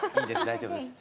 大丈夫です。